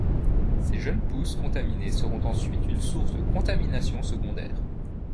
Ces jeunes pousses contaminées seront ensuite une source de contaminations secondaires.